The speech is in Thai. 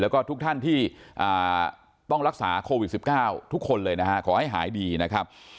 แล้วก็ทุกท่านที่ต้องรักษาโควิด๑๙ทุกคนเลยนะฮะขอให้หายดีนะครับ